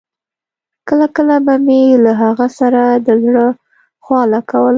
کله کله به مې له هغه سره د زړه خواله کوله.